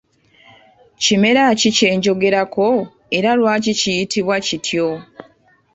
Kimera ki ky’enjogerako era lwaki kiyitibwa kityo?